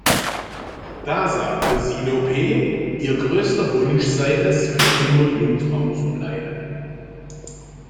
Da sagte Sinope, ihr größter Wunsch sei es, für immer Jungfrau zu bleiben.